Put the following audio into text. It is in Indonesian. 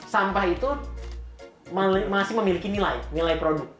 sampah itu masih memiliki nilai nilai produk